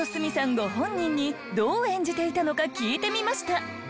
ご本人にどう演じていたのか聞いてみました。